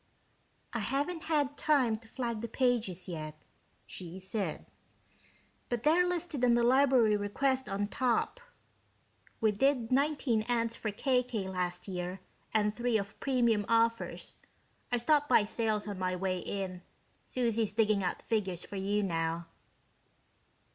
"I haven't had time to flag the pages yet," she said, "but they're listed on the library request on top. We did nineteen ads for KK last year and three of premium offers. I stopped by Sales on my way in Susie's digging out figures for you now."